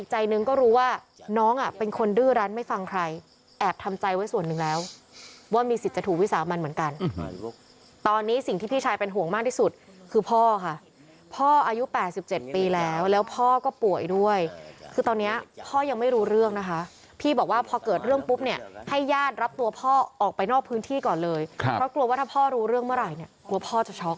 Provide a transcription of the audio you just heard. ตอนนี้สิ่งที่พี่ชายเป็นห่วงมากที่สุดคือพ่อค่ะพ่ออายุ๘๗ปีแล้วแล้วพ่อก็ป่วยด้วยคือตอนนี้พ่อยังไม่รู้เรื่องนะคะพี่บอกว่าพอเกิดเรื่องปุ๊บเนี่ยให้ญาติรับตัวพ่อออกไปนอกพื้นที่ก่อนเลยเพราะกลัวว่าถ้าพ่อรู้เรื่องเมื่อไหร่เนี่ยกลัวพ่อจะช็อก